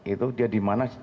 itu dia dimana